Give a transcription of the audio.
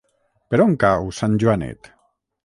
Per on cau Sant Joanet?